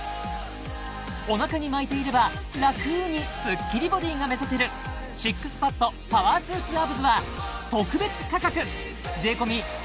お腹に巻いていれば楽にスッキリボディが目指せるＳＩＸＰＡＤパワースーツアブズは特別価格！